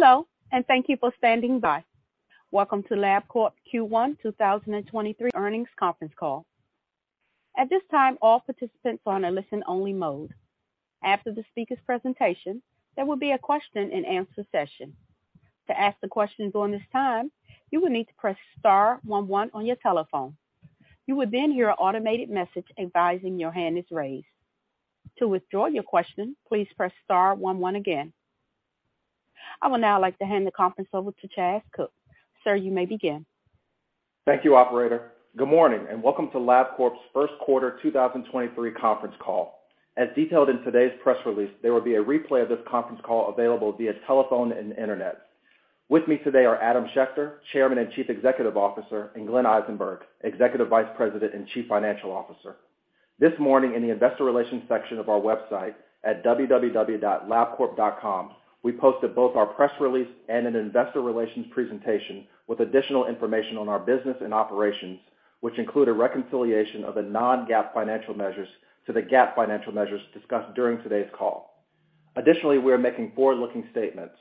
Hello, and thank you for standing by. Welcome to Labcorp Q1 2023 Earnings Conference Call. At this time, all participants are on a listen-only mode. After the speaker's presentation, there will be a question-and-answer session. To ask the questions during this time, you will need to press star one one on your telephone. You will then hear an automated message advising your hand is raised. To withdraw your question, please press star one one again. I will now like to hand the conference over to Chas Cook. Sir, you may begin. Thank you, operator. Good morning, and welcome to Labcorp's First Quarter 2023 Conference Call. As detailed in today's press release, there will be a replay of this conference call available via telephone and internet. With me today are Adam Schechter, Chairman and Chief Executive Officer, and Glenn Eisenberg, Executive Vice President and Chief Financial Officer. This morning, in the investor relations section of our website at www.labcorp.com, we posted both our press release and an investor relations presentation with additional information on our business and operations, which include a reconciliation of the non-GAAP financial measures to the GAAP financial measures discussed during today's call. Additionally, we are making forward-looking statements.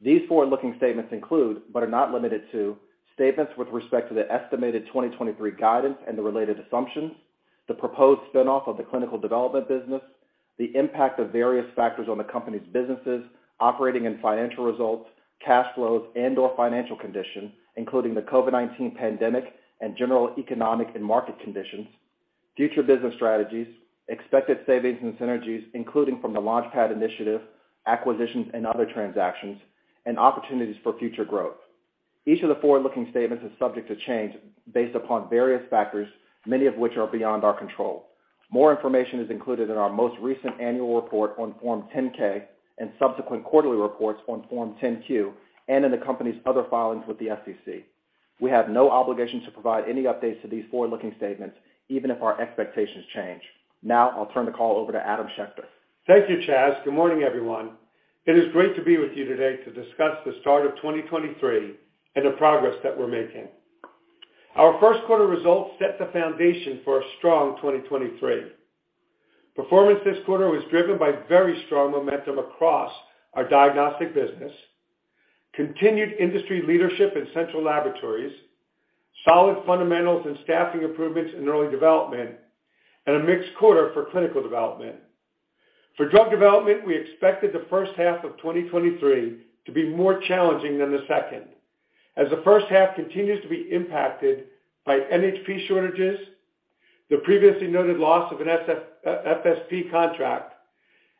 These forward-looking statements include, but are not limited to, statements with respect to the estimated 2023 guidance and the related assumptions, the proposed spin-off of the clinical development business, the impact of various factors on the company's businesses, operating and financial results, cash flows, and/or financial condition, including the COVID-19 pandemic and general economic and market conditions, future business strategies, expected savings and synergies, including from the LaunchPad initiative, acquisitions and other transactions, and opportunities for future growth. Each of the forward-looking statements is subject to change based upon various factors, many of which are beyond our control. More information is included in our most recent annual report on Form 10-K and subsequent quarterly reports on Form 10-Q and in the company's other filings with the SEC. We have no obligation to provide any updates to these forward-looking statements even if our expectations change. Now, I'll turn the call over to Adam Schechter. Thank you, Chas. Good morning, everyone. It is great to be with you today to discuss the start of 2023 and the progress that we're making. Our first quarter results set the foundation for a strong 2023. Performance this quarter was driven by very strong momentum across our diagnostic business, continued industry leadership in central laboratories, solid fundamentals and staffing improvements in early development, and a mixed quarter for clinical development. For drug development, we expected the first half of 2023 to be more challenging than the second, as the first half continues to be impacted by NHP shortages, the previously noted loss of an FSP contract,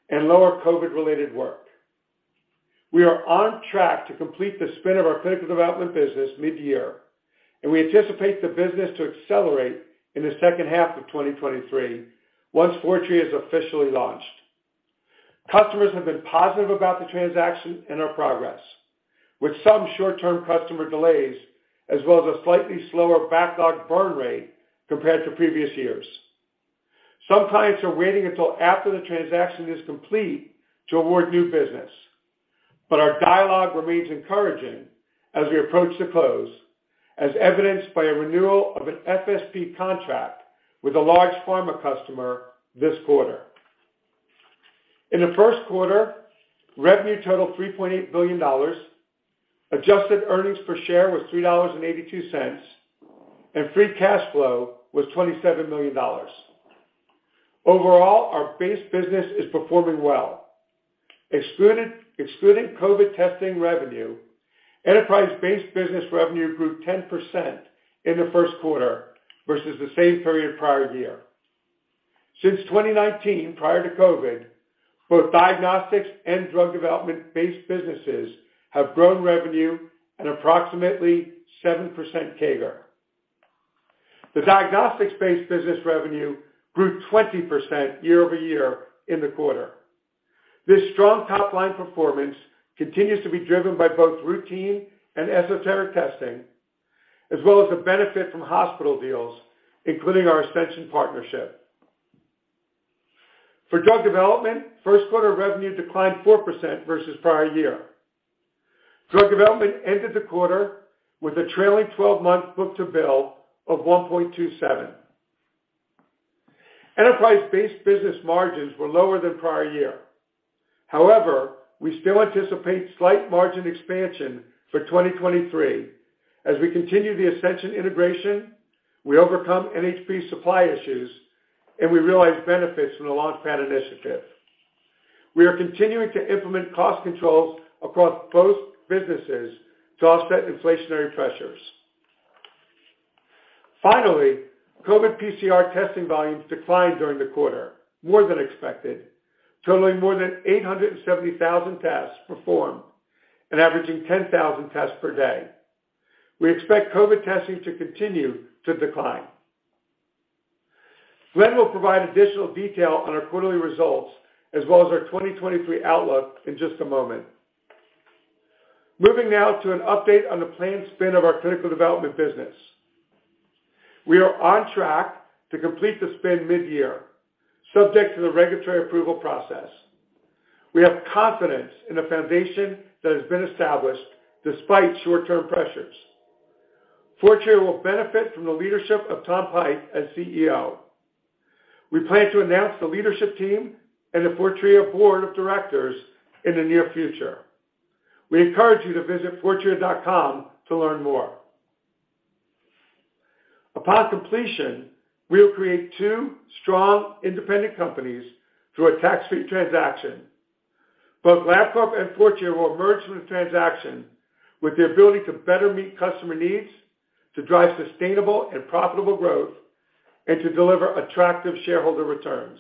and lower COVID-related work. We are on track to complete the spin of our clinical development business mid-year, and we anticipate the business to accelerate in the second half of 2023 once Fortrea is officially launched. Customers have been positive about the transaction and our progress, with some short-term customer delays, as well as a slightly slower backlog burn rate compared to previous years. Some clients are waiting until after the transaction is complete to award new business, but our dialogue remains encouraging as we approach the close, as evidenced by a renewal of an FSP contract with a large pharma customer this quarter. In the first quarter, revenue totaled $3.8 billion, adjusted earnings per share was $3.82, and free cash flow was $27 million. Overall, our base business is performing well. Excluding COVID testing revenue, enterprise-based business revenue grew 10% in the first quarter versus the same period prior year. Since 2019, prior to COVID, both diagnostics and drug development-based businesses have grown revenue at approximately 7% CAGR. The diagnostics-based business revenue grew 20% year-over-year in the quarter. This strong top-line performance continues to be driven by both routine and esoteric testing, as well as the benefit from hospital deals, including our Ascension partnership. For drug development, first quarter revenue declined 4% versus prior year. Drug development ended the quarter with a trailing twelve-month book-to-bill of 1.27. Enterprise-based business margins were lower than prior year. However, we still anticipate slight margin expansion for 2023 as we continue the Ascension integration, we overcome NHP supply issues, and we realize benefits from the LaunchPad initiative. We are continuing to implement cost controls across both businesses to offset inflationary pressures. Finally, COVID PCR testing volumes declined during the quarter more than expected, totaling more than 870,000 tests performed and averaging 10,000 tests per day. We expect COVID testing to continue to decline. Glenn will provide additional detail on our quarterly results as well as our 2023 outlook in just a moment. Moving now to an update on the planned spin of our clinical development business. We are on track to complete the spin mid-year, subject to the regulatory approval process. We have confidence in the foundation that has been established despite short-term pressures. Fortrea will benefit from the leadership of Tom Pike as CEO. We plan to announce the leadership team and the Fortrea board of directors in the near future. We encourage you to visit fortrea.com to learn more. Upon completion, we'll create two strong independent companies through a tax-free transaction. Both Labcorp and Fortrea will emerge from the transaction with the ability to better meet customer needs, to drive sustainable and profitable growth, and to deliver attractive shareholder returns.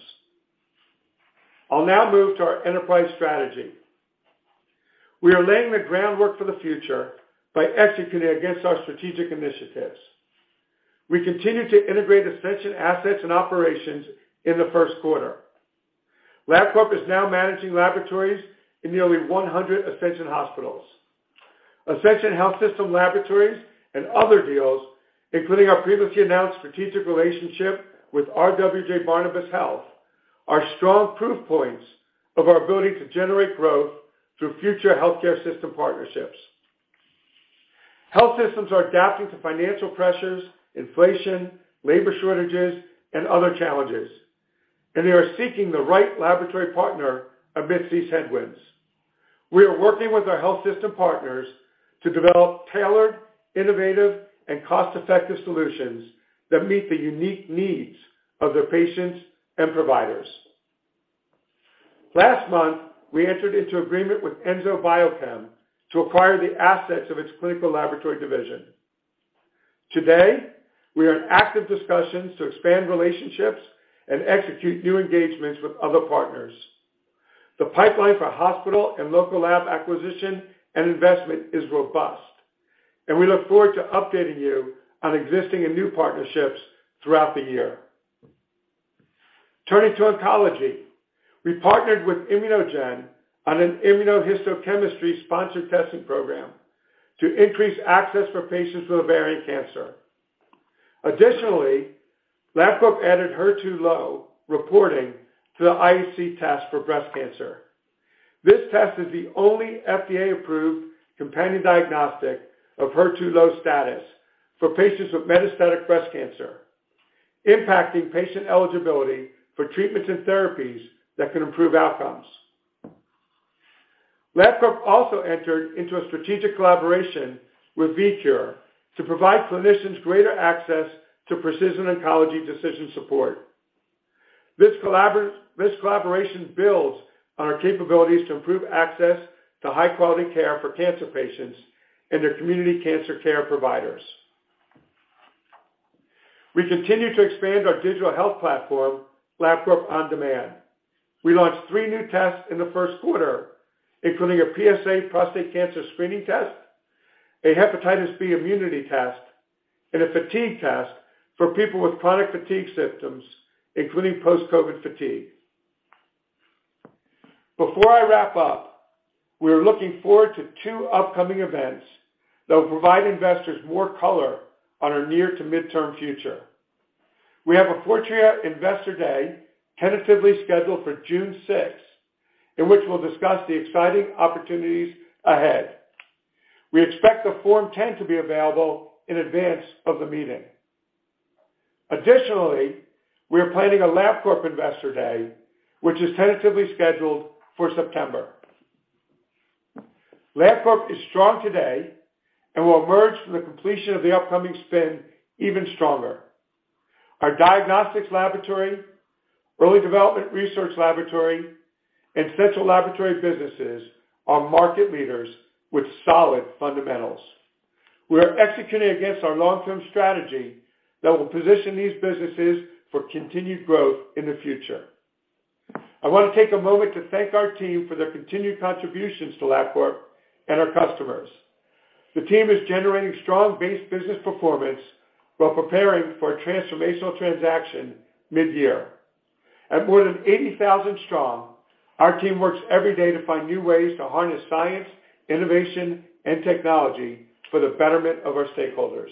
I'll now move to our enterprise strategy. We are laying the groundwork for the future by executing against our strategic initiatives. We continue to integrate Ascension assets and operations in the first quarter. Labcorp is now managing laboratories in nearly 100 Ascension hospitals. Ascension Health system laboratories and other deals, including our previously announced strategic relationship with RWJBarnabas Health, are strong proof points of our ability to generate growth through future healthcare system partnerships. Health systems are adapting to financial pressures, inflation, labor shortages, and other challenges. They are seeking the right laboratory partner amidst these headwinds. We are working with our health system partners to develop tailored, innovative, and cost-effective solutions that meet the unique needs of their patients and providers. Last month, we entered into agreement with Enzo Biochem to acquire the assets of its clinical laboratory division. Today, we are in active discussions to expand relationships and execute new engagements with other partners. The pipeline for hospital and local lab acquisition and investment is robust. We look forward to updating you on existing and new partnerships throughout the year. Turning to oncology. We partnered with ImmunoGen on an immunohistochemistry sponsored testing program to increase access for patients with ovarian cancer. Additionally, Labcorp added HER2 low reporting to the IHC test for breast cancer. This test is the only FDA-approved companion diagnostic of HER2 low status for patients with metastatic breast cancer, impacting patient eligibility for treatments and therapies that can improve outcomes. Labcorp also entered into a strategic collaboration with VieCure to provide clinicians greater access to precision oncology decision support. This collaboration builds on our capabilities to improve access to high-quality care for cancer patients and their community cancer care providers. We continue to expand our digital health platform, Labcorp OnDemand. We launched three new tests in the first quarter, including a PSA prostate cancer screening test, a hepatitis B immunity test, and a fatigue test for people with chronic fatigue symptoms, including post-COVID fatigue. Before I wrap up, we are looking forward to two upcoming events that will provide investors more color on our near to midterm future. We have a Fortrea Investor Day tentatively scheduled for June sixth, in which we'll discuss the exciting opportunities ahead. We expect the Form 10 to be available in advance of the meeting. Additionally, we are planning a Labcorp Investor Day, which is tentatively scheduled for September. Labcorp is strong today and will emerge from the completion of the upcoming spin even stronger. Our diagnostics laboratory, early development research laboratory, and central laboratory businesses are market leaders with solid fundamentals. We are executing against our long-term strategy that will position these businesses for continued growth in the future. I wanna take a moment to thank our team for their continued contributions to Labcorp and our customers. The team is generating strong base business performance while preparing for a transformational transaction mid-year. At more than 80,000 strong, our team works every day to find new ways to harness science, innovation, and technology for the betterment of our stakeholders.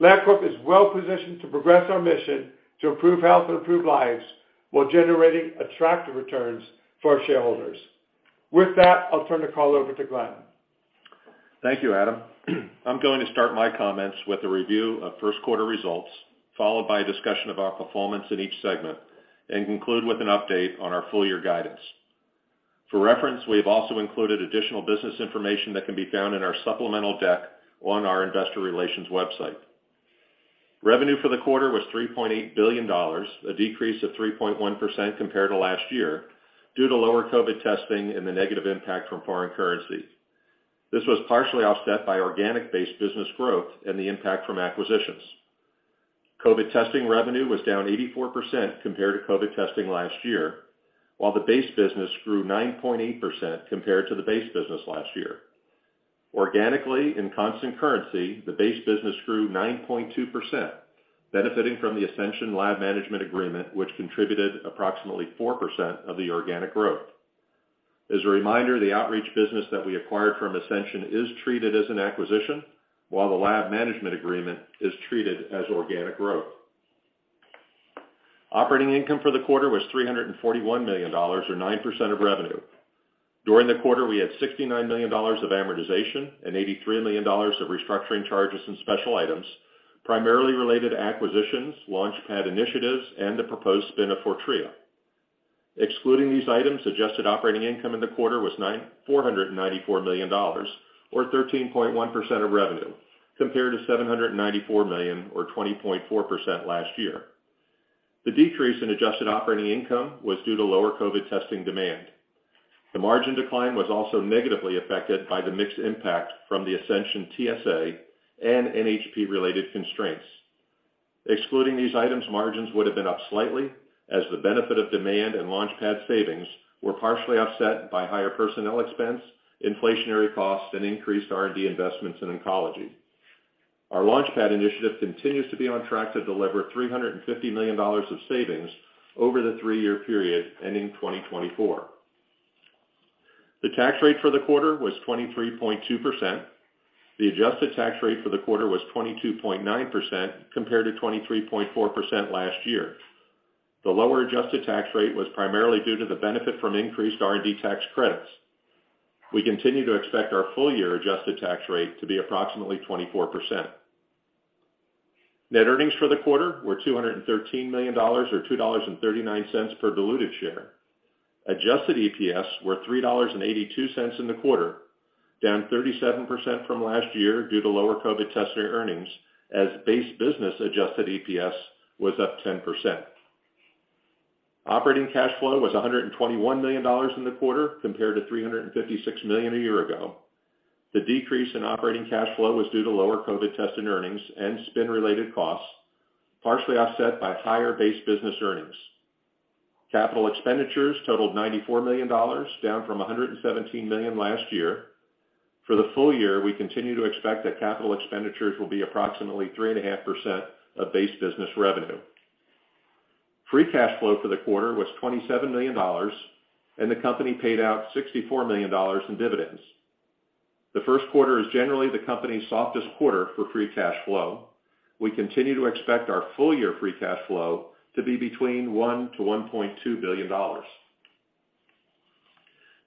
Labcorp is well-positioned to progress our mission to improve health and improve lives while generating attractive returns for our shareholders. With that, I'll turn the call over to Glenn. Thank you, Adam. I'm going to start my comments with a review of first quarter results, followed by a discussion of our performance in each segment, and conclude with an update on our full year guidance. For reference, we have also included additional business information that can be found in our supplemental deck on our investor relations website. Revenue for the quarter was $3.8 billion, a decrease of 3.1% compared to last year due to lower COVID testing and the negative impact from foreign currency. This was partially offset by organic-based business growth and the impact from acquisitions. COVID testing revenue was down 84% compared to COVID testing last year, while the base business grew 9.8% compared to the base business last year. Organically, in constant currency, the base business grew 9.2%, benefiting from the Ascension lab management agreement, which contributed approximately 4% of the organic growth. As a reminder, the outreach business that we acquired from Ascension is treated as an acquisition, while the lab management agreement is treated as organic growth. Operating income for the quarter was $341 million or 9% of revenue. During the quarter, we had $69 million of amortization and $83 million of restructuring charges and special items primarily related to acquisitions, LaunchPad initiatives, and the proposed spin of Fortrea. Excluding these items, adjusted operating income in the quarter was $494 million or 13.1% of revenue, compared to $794 million or 20.4% last year. The decrease in adjusted operating income was due to lower COVID testing demand. The margin decline was also negatively affected by the mixed impact from the Ascension TSA and NHP-related constraints. Excluding these items, margins would have been up slightly as the benefit of demand and LaunchPad savings were partially offset by higher personnel expense, inflationary costs, and increased R&D investments in oncology. Our LaunchPad initiative continues to be on track to deliver $350 million of savings over the three-year period ending 2024. The tax rate for the quarter was 23.2%. The adjusted tax rate for the quarter was 22.9% compared to 23.4% last year. The lower adjusted tax rate was primarily due to the benefit from increased R&D tax credits. We continue to expect our full year adjusted tax rate to be approximately 24%. Net earnings for the quarter were $213 million or $2.39 per diluted share. Adjusted EPS were $3.82 in the quarter, down 37% from last year due to lower COVID testing earnings as base business Adjusted EPS was up 10%. Operating cash flow was $121 million in the quarter, compared to $356 million a year ago. The decrease in operating cash flow was due to lower COVID testing earnings and spin-related costs, partially offset by higher base business earnings. Capital expenditures totaled $94 million, down from $117 million last year. For the full year, we continue to expect that capital expenditures will be approximately 3.5% of base business revenue. Free cash flow for the quarter was $27 million and the company paid out $64 million in dividends. The first quarter is generally the company's softest quarter for free cash flow. We continue to expect our full year free cash flow to be between $1 billion - $1.2 billion.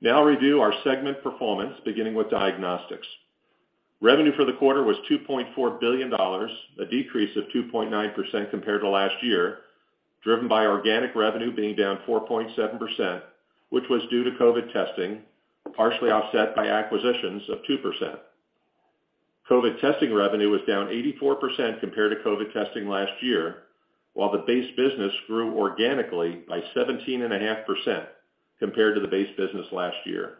Now review our segment performance beginning with diagnostics. Revenue for the quarter was $2.4 billion, a decrease of 2.9% compared to last year, driven by organic revenue being down 4.7%, which was due to COVID testing, partially offset by acquisitions of 2%. COVID testing revenue was down 84% compared to COVID testing last year, while the base business grew organically by 17.5% compared to the base business last year.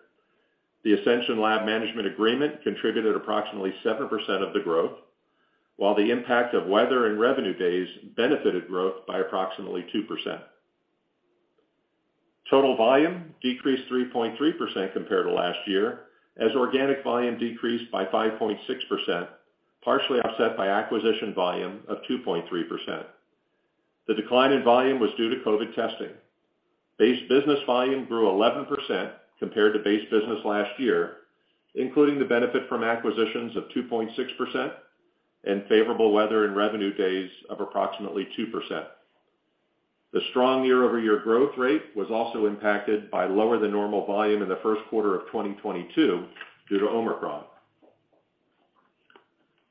The Ascension Lab Management Agreement contributed approximately 7% of the growth, while the impact of weather and revenue days benefited growth by approximately 2%. Total volume decreased 3.3% compared to last year as organic volume decreased by 5.6%, partially offset by acquisition volume of 2.3%. The decline in volume was due to COVID testing. Base business volume grew 11% compared to base business last year, including the benefit from acquisitions of 2.6% and favorable weather and revenue days of approximately 2%. The strong year-over-year growth rate was also impacted by lower than normal volume in the first quarter of 2022 due to Omicron.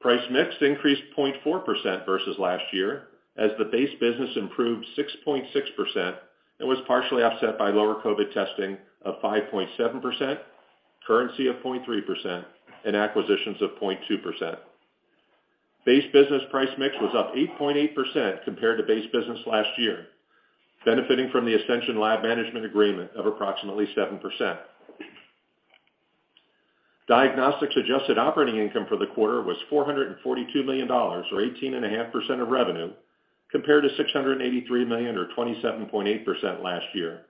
Price mix increased 0.4% versus last year as the base business improved 6.6% and was partially offset by lower COVID testing of 5.7%, currency of 0.3%, and acquisitions of 0.2%. Base business price mix was up 8.8% compared to base business last year, benefiting from the Ascension Lab Management Agreement of approximately 7%. Diagnostics adjusted operating income for the quarter was $442 million or 18.5% of revenue, compared to $683 million or 27.8% last year.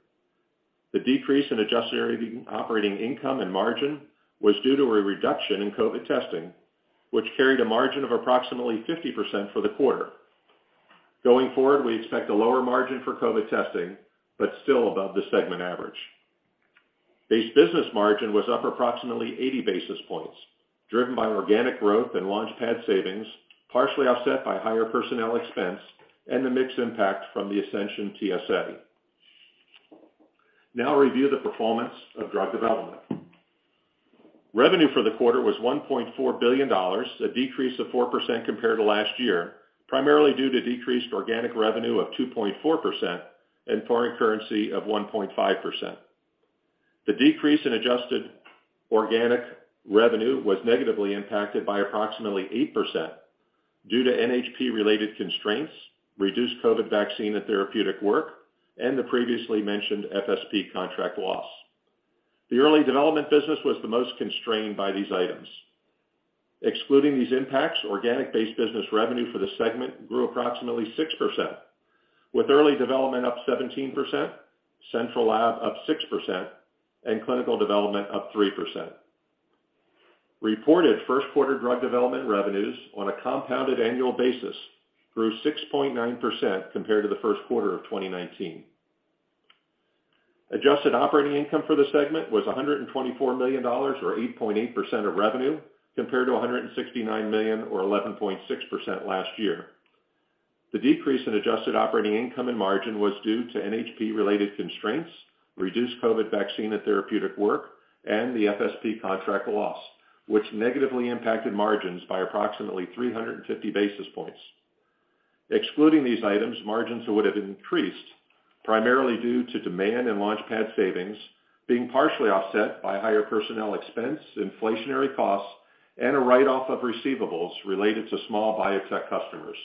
The decrease in adjusted operating income and margin was due to a reduction in COVID testing, which carried a margin of approximately 50% for the quarter. Going forward, we expect a lower margin for COVID testing, but still above the segment average. Base business margin was up approximately 80 basis points, driven by organic growth and LaunchPad savings, partially offset by higher personnel expense and the mix impact from the Ascension TSA. Review the performance of drug development. Revenue for the quarter was $1.4 billion, a decrease of 4% compared to last year, primarily due to decreased organic revenue of 2.4% and foreign currency of 1.5%. The decrease in adjusted organic revenue was negatively impacted by approximately 8% due to NHP-related constraints, reduced COVID vaccine and therapeutic work, and the previously mentioned FSP contract loss. The early development business was the most constrained by these items. Excluding these impacts, organic-based business revenue for the segment grew approximately 6%, with early development up 17%, central lab up 6%, and clinical development up 3%. Reported first quarter drug development revenues on a compounded annual basis grew 6.9% compared to the first quarter of 2019. Adjusted Operating Income for the segment was $124 million or 8.8% of revenue compared to $169 million or 11.6% last year. The decrease in adjusted operating income and margin was due to NHP related constraints, reduced COVID vaccine and therapeutic work and the FSP contract loss, which negatively impacted margins by approximately 350 basis points. Excluding these items, margins would have increased primarily due to demand and LaunchPad savings being partially offset by higher personnel expense, inflationary costs, and a write-off of receivables related to small biotech customers.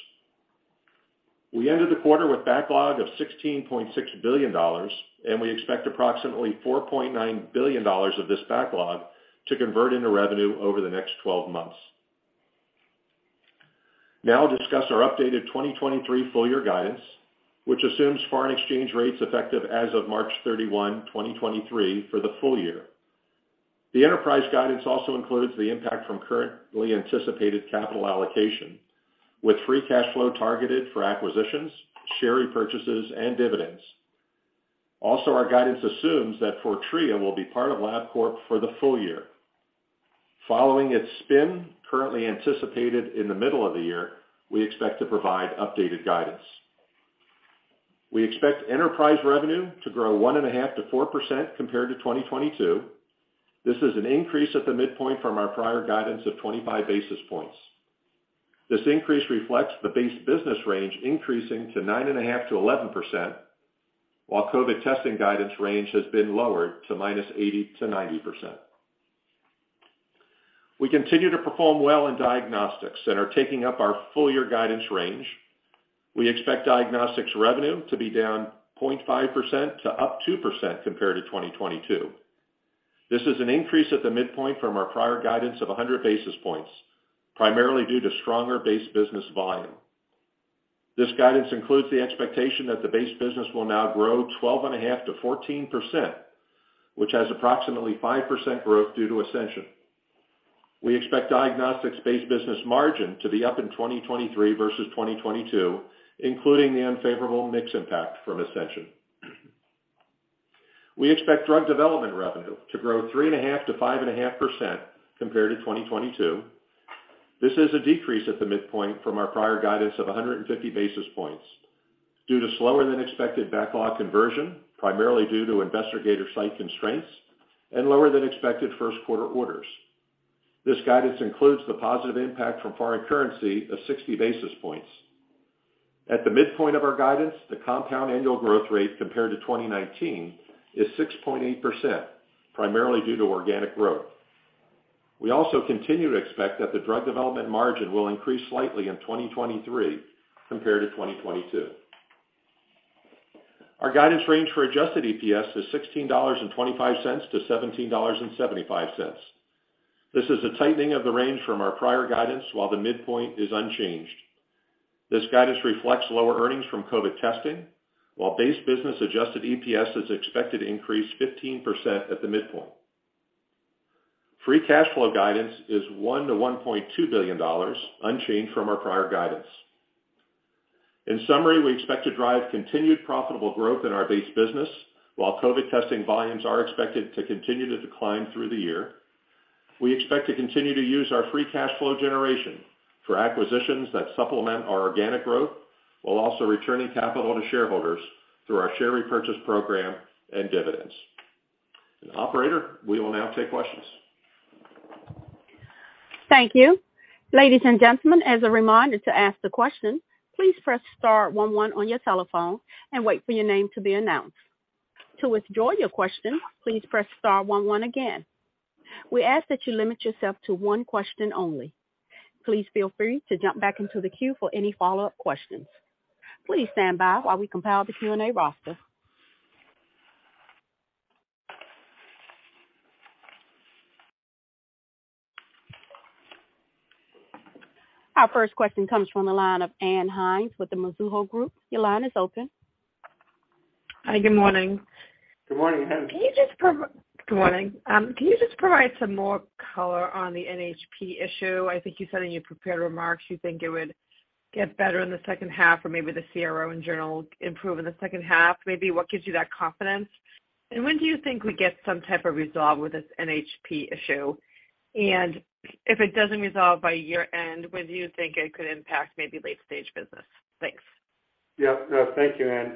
We ended the quarter with backlog of $16.6 billion, we expect approximately $4.9 billion of this backlog to convert into revenue over the next 12 months. I'll discuss our updated 2023 full year guidance, which assumes foreign exchange rates effective as of March 31, 2023 for the full year. The enterprise guidance also includes the impact from currently anticipated capital allocation with free cash flow targeted for acquisitions, share repurchases, and dividends. Our guidance assumes that Fortrea will be part of Labcorp for the full year. Following its spin currently anticipated in the middle of the year, we expect to provide updated guidance. We expect enterprise revenue to grow 1.5%-4% compared to 2022. This is an increase at the midpoint from our prior guidance of 25 basis points. This increase reflects the base business range increasing to 9.5%-11%, while COVID-19 testing guidance range has been lowered to -80% - -90%. We continue to perform well in Diagnostics and are taking up our full year guidance range. We expect Diagnostics revenue to be down -0.5% to up +2% compared to 2022. This is an increase at the midpoint from our prior guidance of 100 basis points, primarily due to stronger base business volume. This guidance includes the expectation that the base business will now grow 12.5%-14%, which has approximately 5% growth due to Ascension. We expect Diagnostics base business margin to be up in 2023 versus 2022, including the unfavorable mix impact from Ascension. We expect drug development revenue to grow 3.5%-5.5% compared to 2022. This is a decrease at the midpoint from our prior guidance of 150 basis points due to slower than expected backlog conversion, primarily due to investigator site constraints and lower than expected first quarter orders. This guidance includes the positive impact from foreign currency of 60 basis points. At the midpoint of our guidance, the compound annual growth rate compared to 2019 is 6.8%, primarily due to organic growth. We also continue to expect that the drug development margin will increase slightly in 2023 compared to 2022. Our guidance range for adjusted EPS is $16.25 to $17.75. This is a tightening of the range from our prior guidance while the midpoint is unchanged. This guidance reflects lower earnings from COVID testing, while base business adjusted EPS is expected to increase 15% at the midpoint. Free cash flow guidance is $1 billion-$1.2 billion, unchanged from our prior guidance. In summary, we expect to drive continued profitable growth in our base business while COVID testing volumes are expected to continue to decline through the year. We expect to continue to use our free cash flow generation for acquisitions that supplement our organic growth while also returning capital to shareholders through our share repurchase program and dividends. Operator, we will now take questions. Thank you. Ladies and gentlemen, as a reminder to ask the question, please press star one one on your telephone and wait for your name to be announced. To withdraw your question, please press star one one again. We ask that you limit yourself to one question only. Please feel free to jump back into the queue for any follow-up questions. Please stand by while we compile the Q&A roster. Our first question comes from the line of Ann Hsing with the Mizuho Financial Group. Your line is open. Hi. Good morning. Good morning, Ann. Good morning. Can you just provide some more color on the NHP issue? I think you said in your prepared remarks you think it would get better in the second half or maybe the CRO in general improve in the second half. What gives you that confidence? When do you think we get some type of resolve with this NHP issue? If it doesn't resolve by year-end, when do you think it could impact maybe late-stage business? Thanks. Yeah. No, thank you, Anne,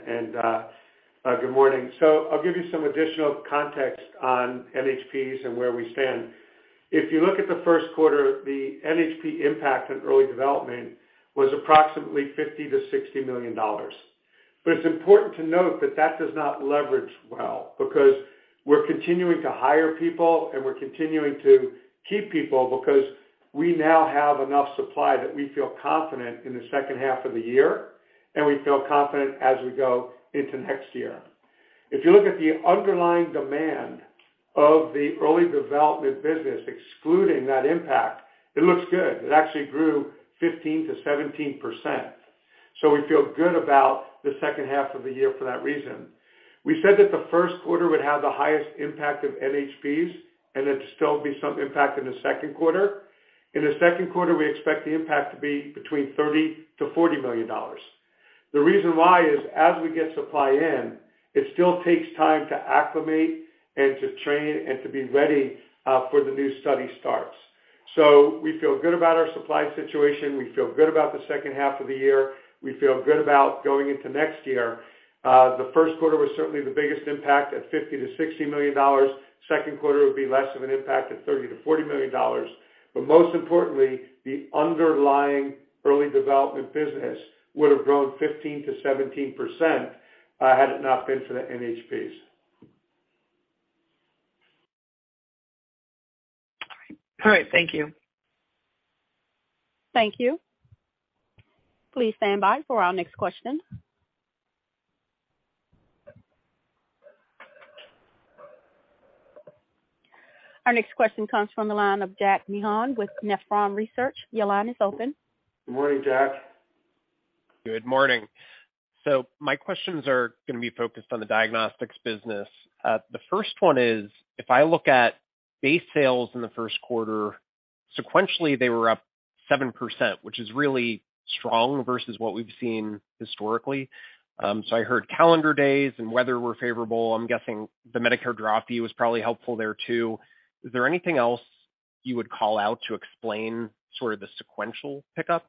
good morning. I'll give you some additional context on NHPs and where we stand. If you look at the first quarter, the NHP impact on early development was approximately $50 million-$60 million. It's important to note that that does not leverage well because we're continuing to hire people and we're continuing to keep people because we now have enough supply that we feel confident in the second half of the year, and we feel confident as we go into next year. If you look at the underlying demand of the early development business, excluding that impact, it looks good. It actually grew 15%-17%, we feel good about the second half of the year for that reason. We said that the first quarter would have the highest impact of NHPs, and there'd still be some impact in the second quarter. In the second quarter, we expect the impact to be between $30 million-$40 million. The reason why is as we get supply in, it still takes time to acclimate and to train and to be ready for the new study starts. We feel good about our supply situation. We feel good about the second half of the year. We feel good about going into next year. The first quarter was certainly the biggest impact at $50 million-$60 million. Second quarter will be less of an impact at $30 million-$40 million. Most importantly, the underlying early development business would have grown 15%-17% had it not been for the NHP. All right. Thank you. Thank you. Please stand by for our next question. Our next question comes from the line of Jack Meehan with Nephron Research. Your line is open. Good morning, Jack. Good morning. My questions are gonna be focused on the diagnostics business. The first one is, if I look at base sales in the first quarter, sequentially, they were up 7%, which is really strong versus what we've seen historically. I heard calendar days and weather were favorable. I'm guessing the Medicare draw fee was probably helpful there too. Is there anything else you would call out to explain sort of the sequential pickup?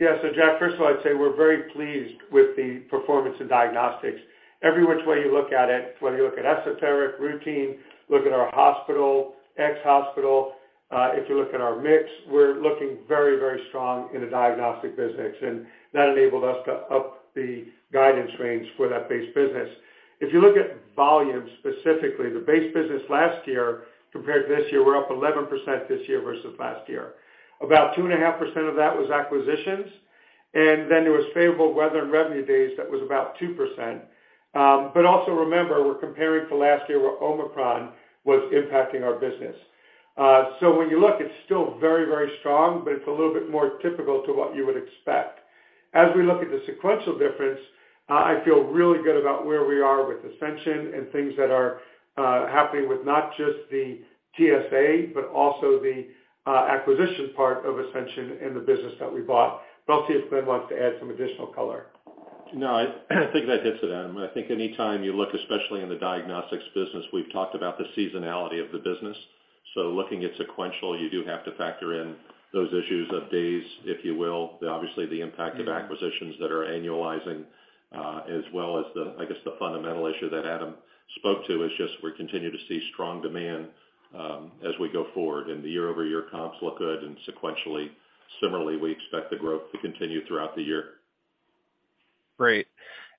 Jack, First of all, I'd say we're very pleased with the performance in diagnostics. Every which way you look at it, whether you look at esoteric routine, look at our hospital, ex-hospital, if you look at our mix, we're looking very, very strong in the diagnostic business, and that enabled us to up the guidance range for that base business. If you look at volume, specifically the base business last year compared to this year, we're up 11% this year versus last year. About 2.5% of that was acquisitions, and then there was favorable weather and revenue days that was about 2%. Also remember, we're comparing to last year where Omicron was impacting our business. When you look, it's still very, very strong, but it's a little bit more typical to what you would expect. As we look at the sequential difference, I feel really good about where we are with Ascension and things that are happening with not just the TSA, but also the acquisition part of Ascension and the business that we bought. I'll see if Glenn wants to add some additional color. No, I think that hits it, Adam. I think anytime you look, especially in the diagnostics business, we've talked about the seasonality of the business. Looking at sequential, you do have to factor in those issues of days, if you will. Obviously, the impact of acquisitions that are annualizing, as well as the fundamental issue that Adam spoke to is just we continue to see strong demand as we go forward. The year-over-year comps look good and sequentially. Similarly, we expect the growth to continue throughout the year. Great.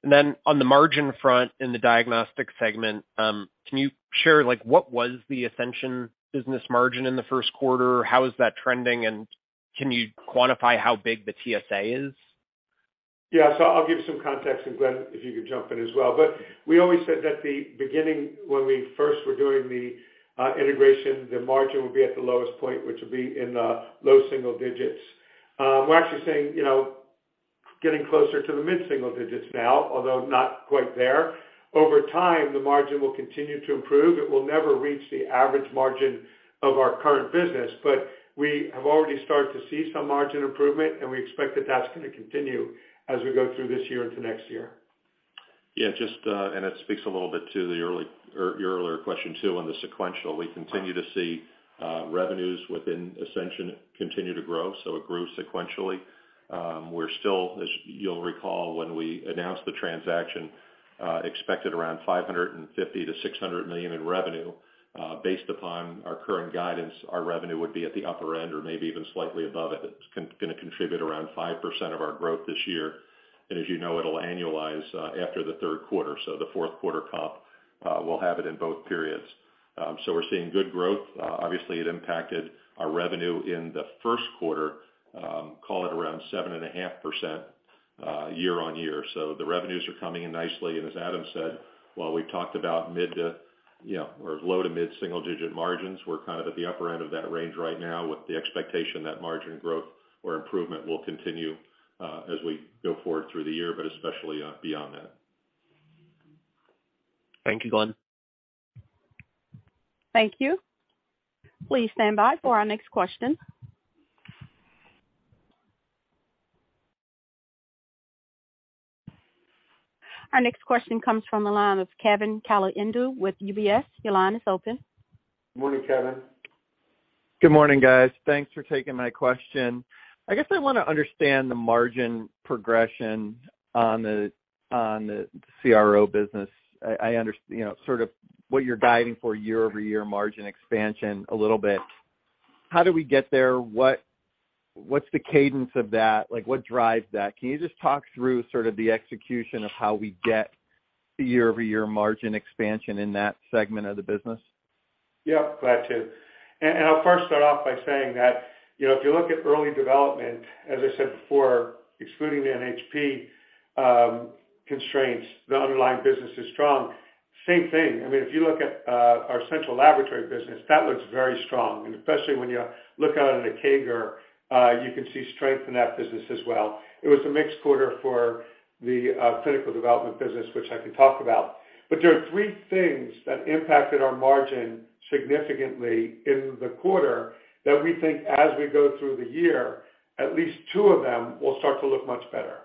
Then on the margin front in the diagnostics segment, can you share like what was the Ascension business margin in the first quarter? How is that trending, and can you quantify how big the TSA is? I'll give some context and Glenn, if you could jump in as well. We always said that the beginning, when we first were doing the integration, the margin would be at the lowest point, which would be in the low single digits. We're actually saying, you know, getting closer to the mid-single digits now, although not quite there. Over time, the margin will continue to improve. It will never reach the average margin of our current business, but we have already started to see some margin improvement, and we expect that that's going to continue as we go through this year into next year. Yeah, just, and it speaks a little bit to your earlier question too on the sequential. We continue to see revenues within Ascension continue to grow, so it grew sequentially. We're still, as you'll recall, when we announced the transaction, expected around $550 million-$600 million in revenue. Based upon our current guidance, our revenue would be at the upper end or maybe even slightly above it. It's gonna contribute around 5% of our growth this year. As you know, it'll annualize after the third quarter, so the fourth quarter comp, we'll have it in both periods. We're seeing good growth. Obviously it impacted our revenue in the first quarter, call it around 7.5% year-over-year. The revenues are coming in nicely. As Adam said, while we talked about you know, or low-to-mid single-digit margins, we're kind of at the upper end of that range right now with the expectation that margin growth or improvement will continue as we go forward through the year, but especially beyond that. Thank you, Glenn. Thank you. Please stand by for our next question. Our next question comes from the line of Kevin Caliendo with UBS. Your line is open. Morning, Kevin. Good morning, guys. Thanks for taking my question. I guess I wanna understand the margin progression on the CRO business. You know, sort of what you're guiding for year-over-year margin expansion a little bit. How do we get there? What's the cadence of that? Like, what drives that? Can you just talk through sort of the execution of how we get the year-over-year margin expansion in that segment of the business? Yeah, glad to. I'll first start off by saying that, you know, if you look at early development, as I said before, excluding the NHP, constraints, the underlying business is strong. Same thing. I mean, if you look at our central laboratory business, that looks very strong, and especially when you look out at a CAGR, you can see strength in that business as well. It was a mixed quarter for the clinical development business, which I can talk about. There are three things that impacted our margin significantly in the quarter that we think as we go through the year, at least two of them will start to look much better.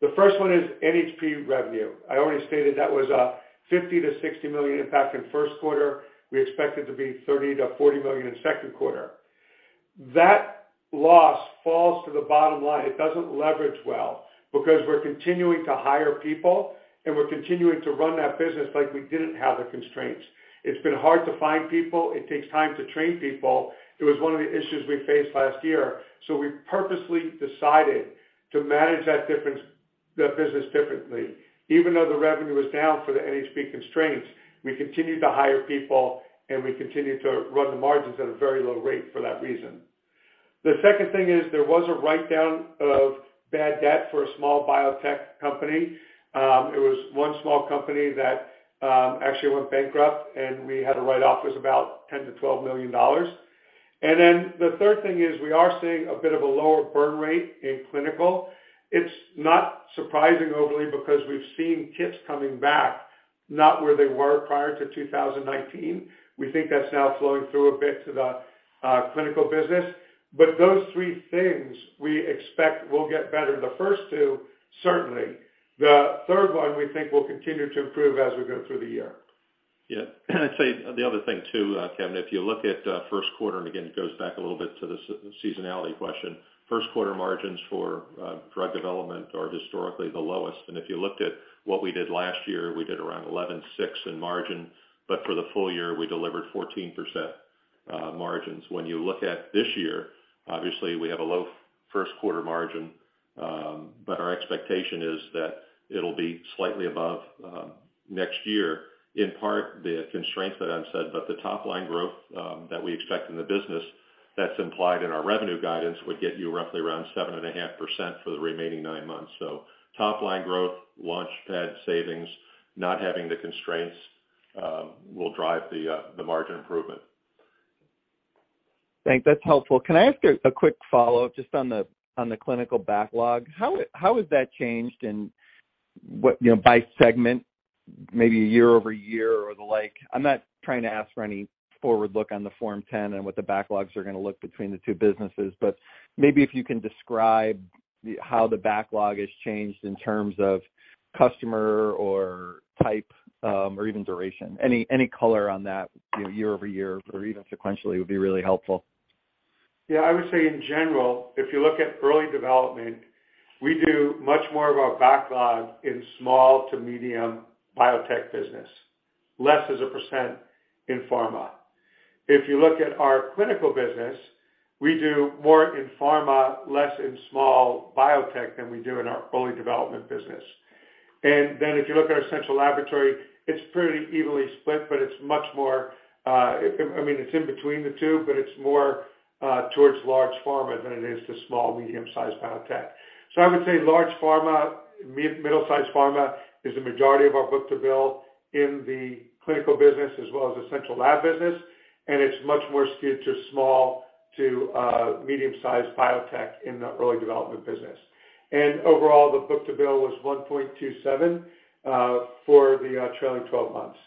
The first one is NHP revenue. I already stated that was a $50 million-$60 million impact in first quarter. We expect it to be $30 million-$40 million in second quarter. That loss falls to the bottom line. It doesn't leverage well because we're continuing to hire people, and we're continuing to run that business like we didn't have the constraints. It's been hard to find people. It takes time to train people. It was one of the issues we faced last year. We purposely decided to manage that business differently. Even though the revenue is down for the NHP constraints, we continue to hire people, and we continue to run the margins at a very low rate for that reason. The second thing is there was a write-down of bad debt for a small biotech company. It was one small company that actually went bankrupt, and we had a write-off. It was about $10 million-$12 million. The third thing is we are seeing a bit of a lower burn rate in clinical. It's not surprising overly because we've seen kits coming back, not where they were prior to 2019. We think that's now flowing through a bit to the clinical business. Those three things we expect will get better. The first two, certainly. The third one, we think will continue to improve as we go through the year. I'd say the other thing too, Kevin, if you look at the first quarter, again, it goes back a little bit to the seasonality question. First quarter margins for drug development are historically the lowest. If you looked at what we did last year, we did around 11.6% in margin, but for the full year, we delivered 14% margins. You look at this year, obviously, we have a low first quarter margin, but our expectation is that it'll be slightly above next year. In part, the constraints that I've said, but the top line growth that we expect in the business that's implied in our revenue guidance would get you roughly around 7.5% for the remaining nine months. Top line growth, LaunchPad savings, not having the constraints, will drive the margin improvement. Thanks. That's helpful. Can I ask a quick follow-up just on the clinical backlog? How has that changed and what, you know, by segment, maybe year-over-year or the like? I'm not trying to ask for any forward look on the Form 10 and what the backlogs are gonna look between the two businesses, but maybe if you can describe how the backlog has changed in terms of customer or type, or even duration, any color on that, you know, year-over-year or even sequentially would be really helpful. Yeah. I would say in general, if you look at early development, we do much more of our backlog in small to medium biotech business, less as a % in pharma. If you look at our clinical business, we do more in pharma, less in small biotech than we do in our early development business. If you look at our central laboratory, it's pretty evenly split, but it's much more, I mean, it's in between the two, but it's more towards large pharma than it is to small, medium-sized biotech. I would say large pharma, middle-sized pharma is the majority of our book-to-bill in the clinical business as well as the central lab business, and it's much more skewed to small to medium-sized biotech in the early development business. Overall, the book-to-bill was 1.27 for the trailing 12 months.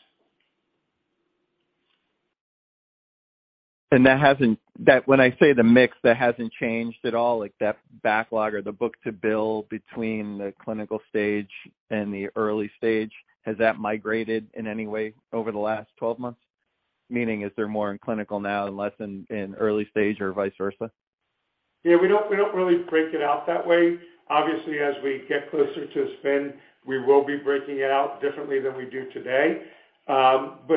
That when I say the mix, that hasn't changed at all, like that backlog or the book-to-bill between the clinical stage and the early stage, has that migrated in any way over the last 12 months? Meaning, is there more in clinical now and less in early stage or vice versa? Yeah, we don't really break it out that way. Obviously, as we get closer to spin, we will be breaking it out differently than we do today. At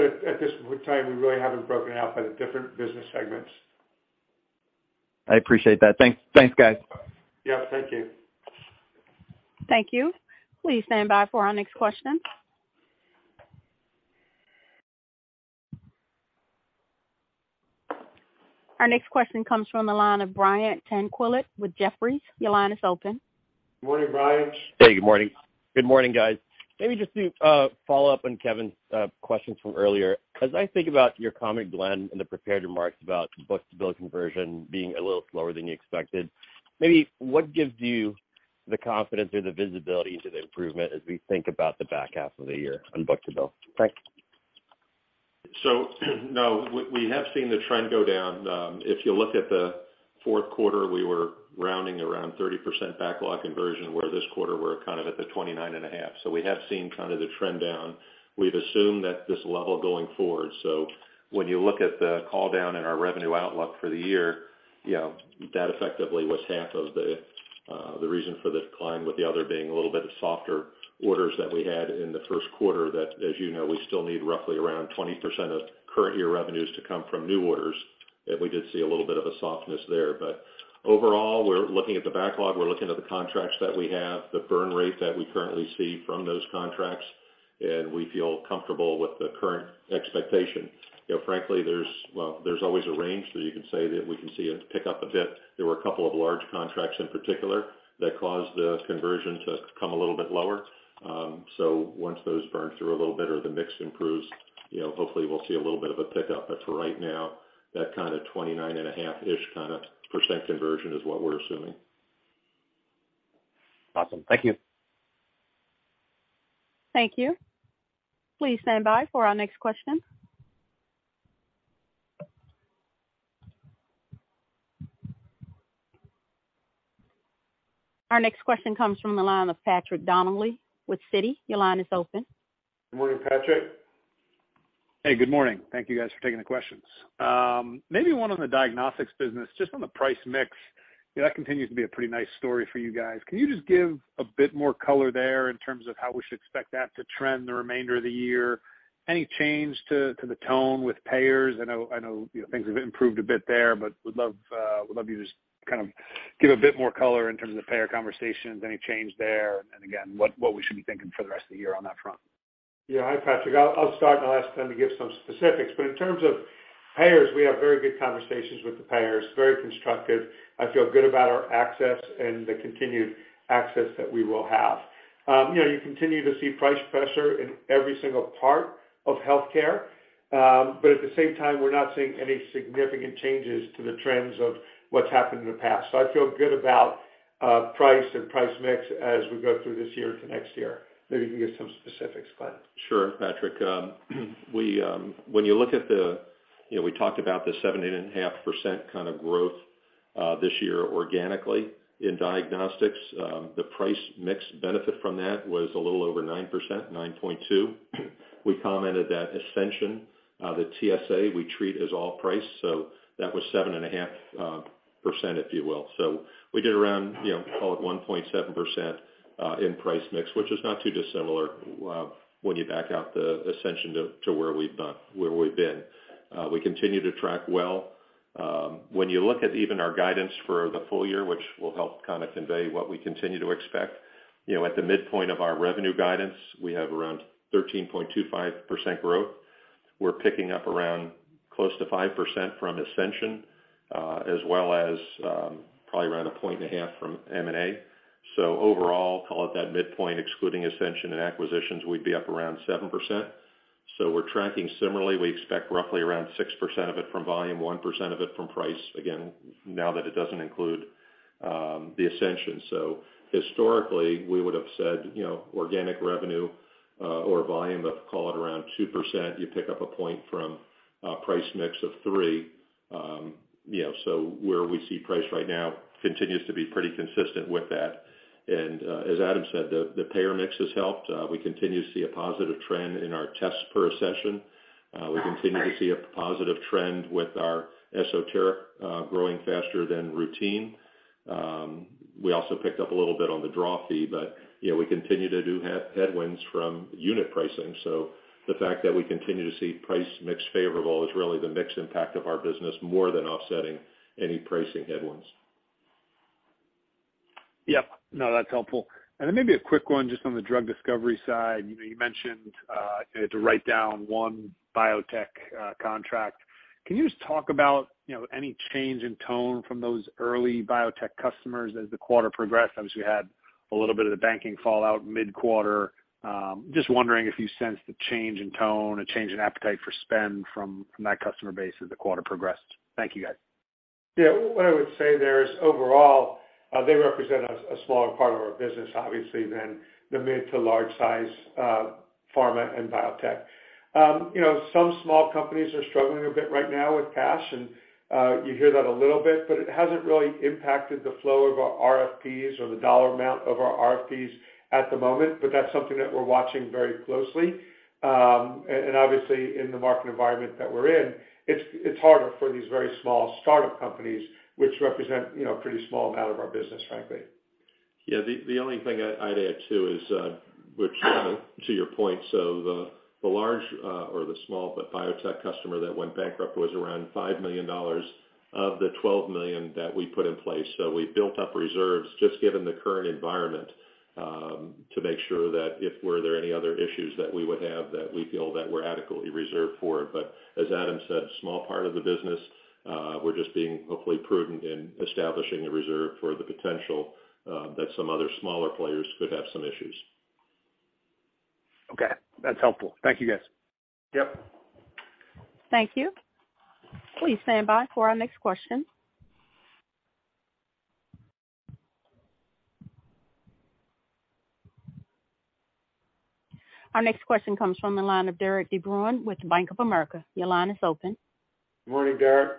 this point in time, we really haven't broken it out by the different business segments. I appreciate that. Thanks. Thanks, guys. Yeah, thank you. Thank you. Please stand by for our next question. Our next question comes from the line of Brian Tanquilut with Jefferies. Your line is open. Morning, Brian. Hey, good morning. Good morning, guys. Maybe just to follow up on Kevin's question from earlier. As I think about your comment, Glenn, in the prepared remarks about book-to-bill conversion being a little slower than you expected, maybe what gives you the confidence or the visibility into the improvement as we think about the back half of the year on book-to-bill? Thanks. Now we have seen the trend go down. If you look at the fourth quarter, we were rounding around 30% backlog conversion, where this quarter we're kind of at the 29.5%. We have seen kind of the trend down. We've assumed that this level going forward. When you look at the call down in our revenue outlook for the year, you know, that effectively was half of the reason for the decline, with the other being a little bit of softer orders that we had in the first quarter that, as you know, we still need roughly around 20% of current year revenues to come from new orders, and we did see a little bit of a softness there. Overall, we're looking at the backlog, we're looking at the contracts that we have, the burn rate that we currently see from those contracts, and we feel comfortable with the current expectation. You know, frankly, there's, well, there's always a range, so you can say that we can see it pick up a bit. There were a couple of large contracts in particular that caused the conversion to come a little bit lower. Once those burn through a little bit or the mix improves, you know, hopefully we'll see a little bit of a pickup. For right now, that kinda 29.5%-ish kinda % conversion is what we're assuming. Awesome. Thank you. Thank you. Please stand by for our next question. Our next question comes from the line of Patrick Donnelly with Citi. Your line is open. Good morning, Patrick. Hey, good morning. Thank you guys for taking the questions. Maybe one on the diagnostics business, just on the price mix. You know, that continues to be a pretty nice story for you guys. Can you just give a bit more color there in terms of how we should expect that to trend the remainder of the year? Any change to the tone with payers? I know, you know, things have improved a bit there, but would love you to just kind of give a bit more color in terms of payer conversations, any change there, and again, what we should be thinking for the rest of the year on that front. Yeah. Hi, Patrick. I'll start and I'll ask Glenn to give some specifics. In terms of payers, we have very good conversations with the payers, very constructive. I feel good about our access and the continued access that we will have. You know, you continue to see price pressure in every single part of healthcare. But at the same time, we're not seeing any significant changes to the trends of what's happened in the past. I feel good about price and price mix as we go through this year to next year. Maybe you can give some specifics, Glenn. Sure, Patrick. We. You know, we talked about the 7.5% kind of growth this year organically in diagnostics. The price mix benefit from that was a little over 9%, 9.2. We commented that Ascension, the TSA, we treat as all price, that was 7.5%, if you will. We did around, you know, call it 1.7% in price mix, which is not too dissimilar when you back out the Ascension to where we've been. We continue to track well. When you look at even our guidance for the full year, which will help kind of convey what we continue to expect, you know, at the midpoint of our revenue guidance, we have around 13.25% growth. We're picking up around close to 5% from Ascension, as well as probably around 1.5% from M&A. Overall, call it that midpoint, excluding Ascension and acquisitions, we'd be up around 7%. We're tracking similarly. We expect roughly around 6% of it from volume, 1% of it from price, again, now that it doesn't include the Ascension. Historically, we would have said, you know, organic revenue or volume of, call it around 2%. You pick up one point from a price mix of three. You know, where we see price right now continues to be pretty consistent with that. As Adam said, the payer mix has helped. We continue to see a positive trend in our tests per session. We continue to see a positive trend with our esoteric growing faster than routine. We also picked up a little bit on the draw fee. You know, we continue to do headwinds from unit pricing. The fact that we continue to see price mix favorable is really the mix impact of our business more than offsetting any pricing headwinds. Yep. No, that's helpful. Maybe a quick one just on the drug discovery side. You know, you mentioned to write down one biotech contract. Can you just talk about, you know, any change in tone from those early biotech customers as the quarter progressed? Obviously, you had a little bit of the banking fallout mid-quarter. Just wondering if you sensed a change in tone, a change in appetite for spend from that customer base as the quarter progressed. Thank you, guys. What I would say there is overall, they represent a smaller part of our business, obviously, than the mid to large size pharma and biotech. You know, some small companies are struggling a bit right now with cash, and you hear that a little bit, but it hasn't really impacted the flow of our RFPs or the dollar amount of our RFPs at the moment. That's something that we're watching very closely. Obviously, in the market environment that we're in, it's harder for these very small start-up companies which represent, you know, a pretty small amount of our business, frankly. The only thing I'd add, too, is, which to your point, so the large, or the small, but biotech customer that went bankrupt was around $5 million of the $12 million that we put in place. We built up reserves just given the current environment, to make sure that if were there any other issues that we would have, that we feel that we're adequately reserved for it. As Adam said, small part of the business, we're just being hopefully prudent in establishing a reserve for the potential, that some other smaller players could have some issues. Okay, that's helpful. Thank you, guys. Yep. Thank you. Please stand by for our next question. Our next question comes from the line of Derik De Bruin with Bank of America. Your line is open. Morning, Derik.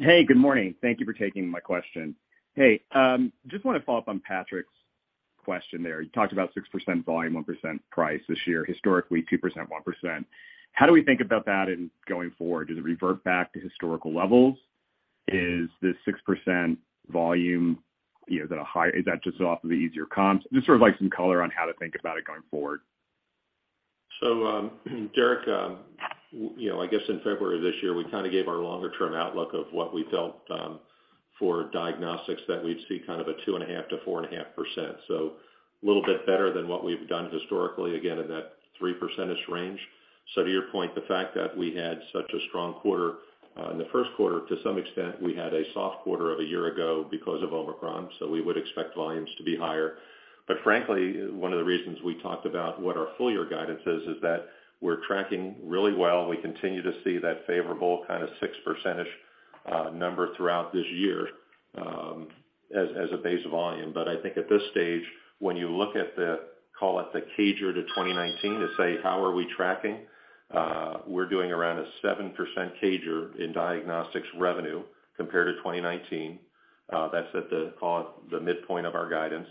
Hey, good morning. Thank you for taking my question. Hey, just wanna follow up on Patrick's question there. You talked about 6% volume, 1% price this year. Historically, 2%, 1%. How do we think about that in going forward? Does it revert back to historical levels? Is this 6% volume, you know, is that just off of the easier comps? Just sort of like some color on how to think about it going forward. You know, Derik, I guess in February this year, we kinda gave our longer-term outlook of what we felt for diagnostics, that we'd see kind of a 2.5%-4.5%. A little bit better than what we've done historically, again, in that 3% range. To your point, the fact that we had such a strong quarter in the first quarter, to some extent, we had a soft quarter of a year ago because of Omicron, so we would expect volumes to be higher. Frankly, one of the reasons we talked about what our full year guidance is that we're tracking really well. We continue to see that favorable kind of 6% number throughout this year as a base volume. I think at this stage, when you look at the, call it the CAGR to 2019 to say, how are we tracking? We're doing around a 7% CAGR in diagnostics revenue compared to 2019. That's at the, call it, the midpoint of our guidance.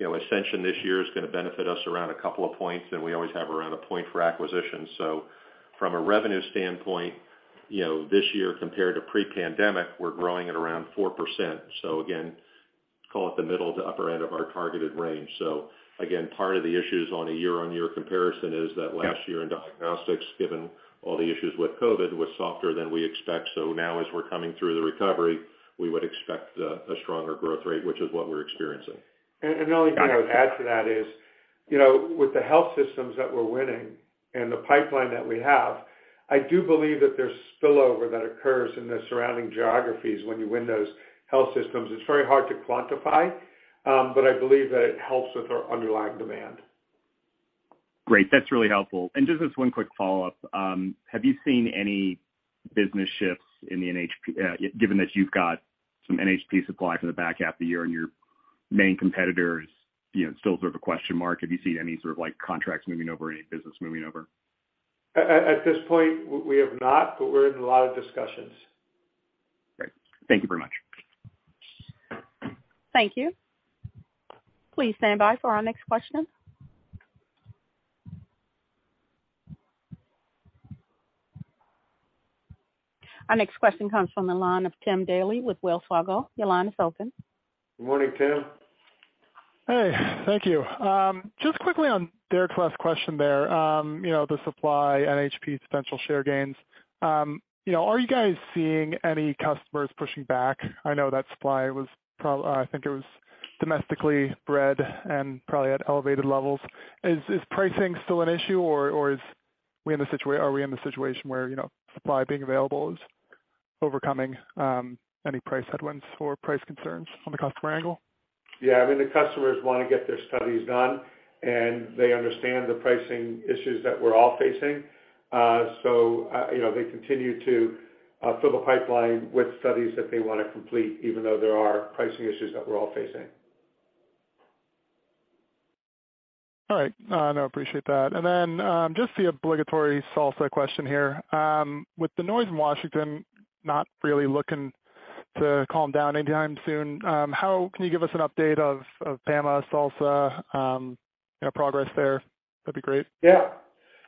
You know, Ascension this year is gonna benefit us around a couple of points, and we always have around one point for acquisition. From a revenue standpoint, you know, this year compared to pre-pandemic, we're growing at around 4%. Again, call it the middle to upper end of our targeted range. Again, part of the issues on a year-on-year comparison is that last year in diagnostics, given all the issues with COVID, was softer than we expect. Now as we're coming through the recovery, we would expect a stronger growth rate, which is what we're experiencing. The only thing I would add to that is, you know, with the health systems that we're winning and the pipeline that we have, I do believe that there's spillover that occurs in the surrounding geographies when you win those health systems. It's very hard to quantify, but I believe that it helps with our underlying demand. Great. That's really helpful. Just this one quick follow-up. Have you seen any business shifts in the NHP, given that you've got some NHP supply for the back half of the year and your main competitor is, you know, still sort of a question mark. Have you seen any sort of, like, contracts moving over, any business moving over? At this point, we have not, but we're in a lot of discussions. Great. Thank you very much. Thank you. Please stand by for our next question. Our next question comes from the line of Timothy Daley with Wells Fargo. Your line is open. Good morning, Tim. Thank you. Just quickly on Derik's last question there, you know, the supply NHP potential share gains. You know, are you guys seeing any customers pushing back? I know that supply was I think it was domestically bred and probably at elevated levels. Is pricing still an issue, or are we in the situation where, you know, supply being available is overcoming, any price headwinds or price concerns from the customer angle? Yeah, I mean, the customers wanna get their studies done, and they understand the pricing issues that we're all facing. You know, they continue to fill the pipeline with studies that they wanna complete, even though there are pricing issues that we're all facing. All right. No, I appreciate that. Just the obligatory SALSA question here. With the noise in Washington not really looking to calm down anytime soon, how can you give us an update of PAMA, SALSA, you know, progress there? That'd be great. Yeah.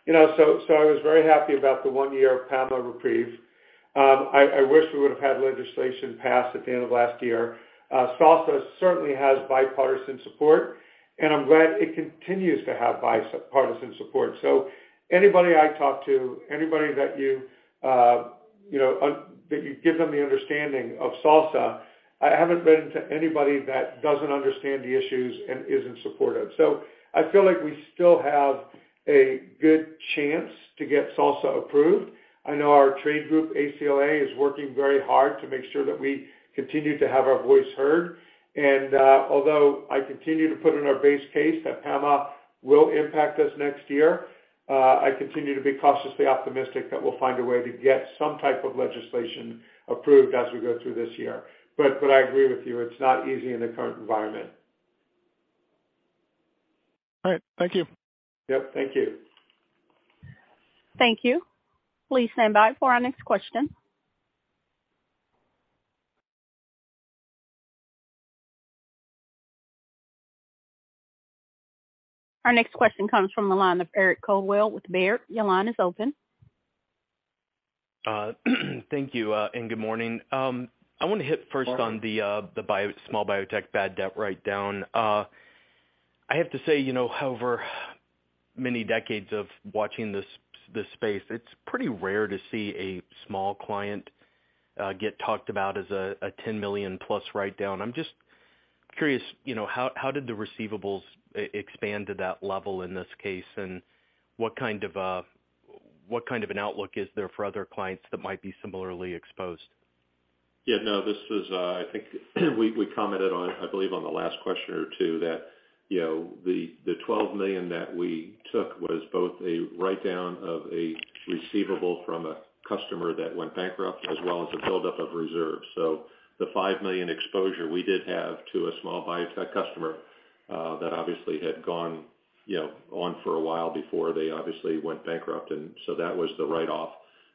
You know, so I was very happy about the one year of PAMA reprieve. I wish we would've had legislation passed at the end of last year. SALSA certainly has bipartisan support, and I'm glad it continues to have bipartisan support. Anybody I talk to, anybody that you know, that you give them the understanding of SALSA, I haven't run into anybody that doesn't understand the issues and isn't supportive. I feel like we still have a good chance to get SALSA approved. I know our trade group, ACLA, is working very hard to make sure that we continue to have our voice heard. Although I continue to put in our base case that PAMA will impact us next year, I continue to be cautiously optimistic that we'll find a way to get some type of legislation approved as we go through this year. I agree with you, it's not easy in the current environment. All right. Thank you. Yep. Thank you. Thank you. Please stand by for our next question. Our next question comes from the line of Eric Coldwell with Baird. Your line is open. Thank you, and good morning. I wanna hit first on the small biotech bad debt write-down. I have to say, you know, however many decades of watching this space, it's pretty rare to see a small client get talked about as a $10 million-plus write-down. I'm just curious, you know, how did the receivables expand to that level in this case, and what kind of an outlook is there for other clients that might be similarly exposed? Yeah, no, this was, I think we commented on, I believe, on the last question or two, that, you know, the $12 million that we took was both a write-down of a receivable from a customer that went bankrupt, as well as a build-up of reserves. The $5 million exposure we did have to a small biotech customer, that obviously had gone, you know, on for a while before they obviously went bankrupt, that was the write-off.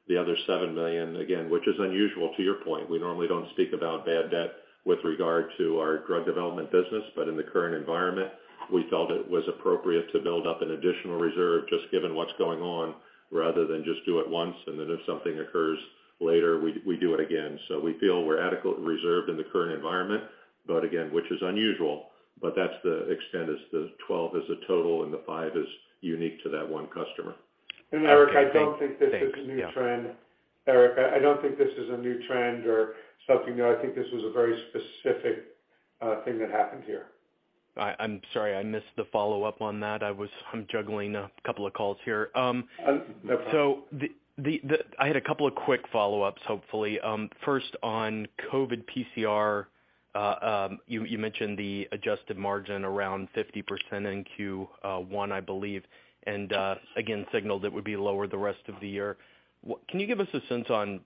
The other $7 million, again, which is unusual, to your point, we normally don't speak about bad debt with regard to our drug development business. In the current environment, we felt it was appropriate to build up an additional reserve just given what's going on, rather than just do it once and then if something occurs later, we do it again. We feel we're adequate reserved in the current environment, again, which is unusual. That's the extent, is the 12 is the total and the five is unique to that one customer. Eric, I don't think this is a new trend. Thanks. Eric, I don't think this is a new trend or something new. I think this was a very specific thing that happened here. I'm sorry, I missed the follow-up on that. I'm juggling a couple of calls here. No problem. I had a couple of quick follow-ups, hopefully. First on COVID PCR You mentioned the adjusted margin around 50% in Q1, I believe, and again signaled it would be lower the rest of the year. Can you give us a sense on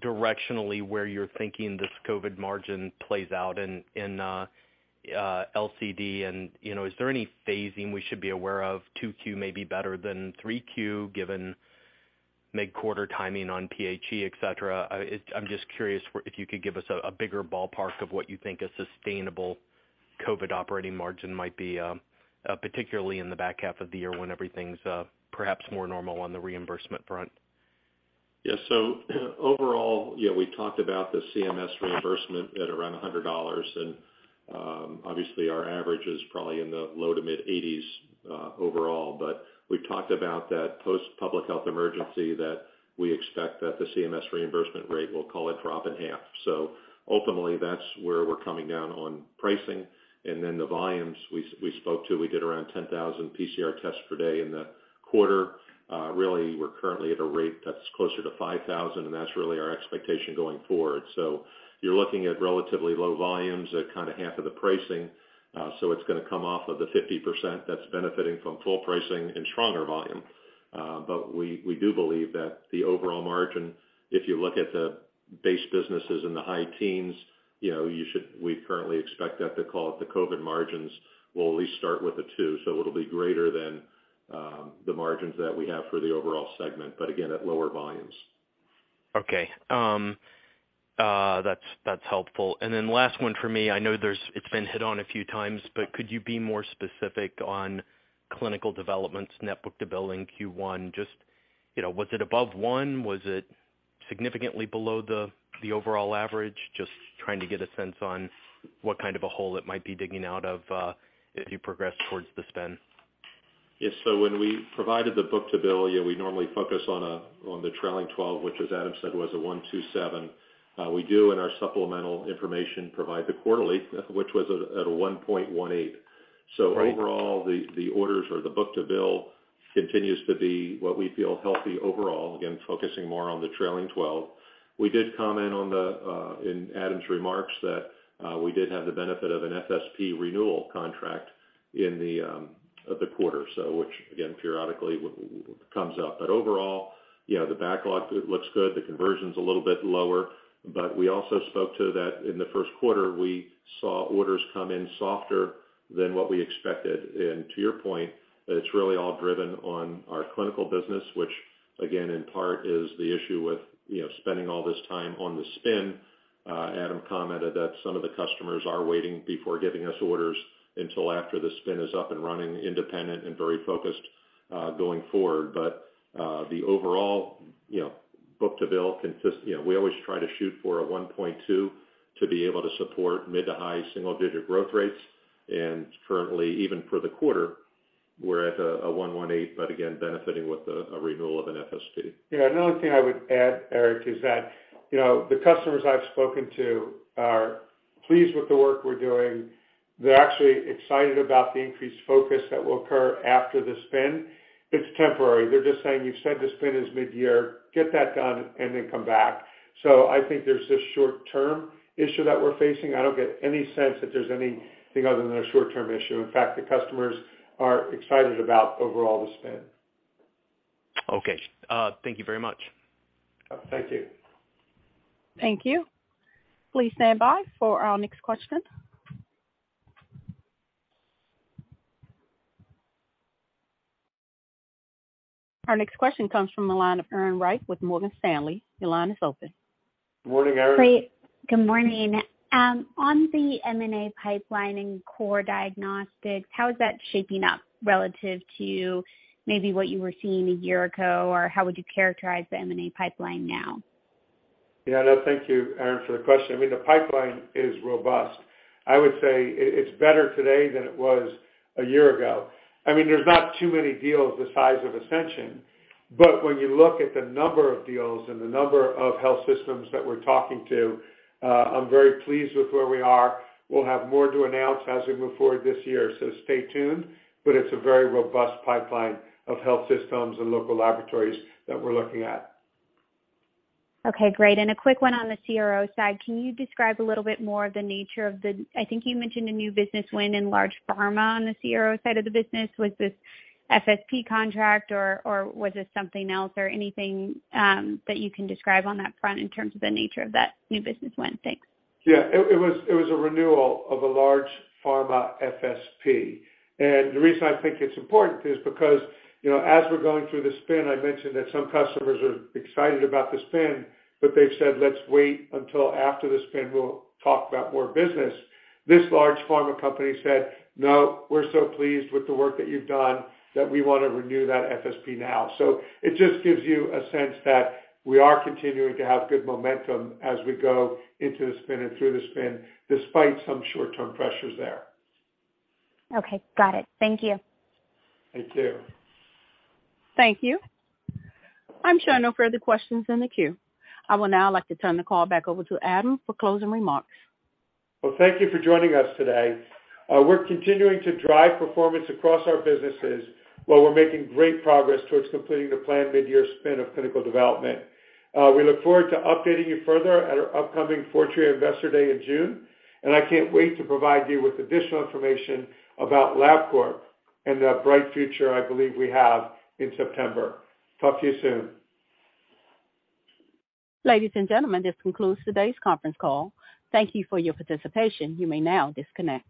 directionally where you're thinking this COVID margin plays out in LCD and, you know, is there any phasing we should be aware of? 2Q may be better than 3Q given mid-quarter timing on PHE, et cetera. I'm just curious if you could give us a bigger ballpark of what you think a sustainable COVID operating margin might be, particularly in the back half of the year when everything's perhaps more normal on the reimbursement front? Overall, we talked about the CMS reimbursement at around $100 and obviously our average is probably in the low to mid-$80s overall. We've talked about that post Public Health Emergency that we expect that the CMS reimbursement rate, we'll call it, drop in half. Ultimately, that's where we're coming down on pricing. The volumes we spoke to, we did around 10,000 PCR tests per day in the quarter. Really, we're currently at a rate that's closer to 5,000, and that's really our expectation going forward. You're looking at relatively low volumes at kind of half of the pricing. It's gonna come off of the 50% that's benefiting from full pricing and stronger volume. We, we do believe that the overall margin, if you look at the base businesses in the high teens, you know, we currently expect that to call it the COVID margins will at least start with a two. It'll be greater than the margins that we have for the overall segment, but again, at lower volumes. Okay. That's helpful. Last one for me. I know it's been hit on a few times, but could you be more specific on clinical developments, net book-to-bill in Q1? Just, you know, was it above 1? Was it significantly below the overall average? Just trying to get a sense on what kind of a hole it might be digging out of as you progress towards the spin. Yes. When we provided the book-to-bill, yeah, we normally focus on the trailing twelve, which as Adam said, was a 1.27. We do in our supplemental information provide the quarterly, which was at a 1.18. Right. Overall the orders or the book-to-bill continues to be what we feel healthy overall, again, focusing more on the trailing twelve. We did comment on the in Adam's remarks that we did have the benefit of an FSP renewal contract in the of the quarter, so which again periodically comes up. Overall, you know, the backlog looks good. The conversion's a little bit lower. We also spoke to that in the first quarter we saw orders come in softer than what we expected. To your point, it's really all driven on our clinical business which again in part is the issue with, you know, spending all this time on the spin. Adam commented that some of the customers are waiting before giving us orders until after the spin is up and running independent and very focused going forward. The overall, you know, book-to-bill consist, you know, we always try to shoot for a 1.2 to be able to support mid to high single digit growth rates. Currently even for the quarter we're at a 1.18 but again benefiting with the, a renewal of an FSP. Yeah. Another thing I would add, Eric, is that, you know, the customers I've spoken to are pleased with the work we're doing. They're actually excited about the increased focus that will occur after the spin. It's temporary. They're just saying, "You said the spin is mid-year, get that done and then come back." I think there's a short-term issue that we're facing. I don't get any sense that there's anything other than a short-term issue. In fact, the customers are excited about overall the spin. Okay. Thank you very much. Thank you. Thank you. Please stand by for our next question. Our next question comes from the line of Erin Wright with Morgan Stanley. Your line is open. Morning, Erin. Great, good morning. On the M&A pipeline in core diagnostics, how is that shaping up relative to maybe what you were seeing a year ago? How would you characterize the M&A pipeline now? Yeah, no, thank you, Erin, for the question. I mean, the pipeline is robust. I would say it's better today than it was a year ago. I mean, there's not too many deals the size of Ascension, but when you look at the number of deals and the number of health systems that we're talking to, I'm very pleased with where we are. We'll have more to announce as we move forward this year. Stay tuned, but it's a very robust pipeline of health systems and local laboratories that we're looking at. Okay, great. A quick one on the CRO side. Can you describe a little bit more of the nature of the, I think you mentioned, a new business win in large pharma on the CRO side of the business? Was this FSP contract or was this something else or anything that you can describe on that front in terms of the nature of that new business win? Thanks. Yeah, it was a renewal of a large pharma FSP. The reason I think it's important is because, you know, as we're going through the spin, I mentioned that some customers are excited about the spin, but they've said, 'Let's wait until after the spin, we'll talk about more business.' This large pharma company said, 'No, we're so pleased with the work that you've done that we wanna renew that FSP now.' It just gives you a sense that we are continuing to have good momentum as we go into the spin and through the spin, despite some short-term pressures there. Okay. Got it. Thank you. Thank you. Thank you. I'm showing no further questions in the queue. I will now like to turn the call back over to Adam for closing remarks. Well, thank you for joining us today. We're continuing to drive performance across our businesses while we're making great progress towards completing the planned midyear spin of clinical development. We look forward to updating you further at our upcoming Fortrea Investor Day in June. I can't wait to provide you with additional information about Labcorp and the bright future I believe we have in September. Talk to you soon. Ladies and gentlemen, this concludes today's conference call. Thank you for your participation. You may now disconnect.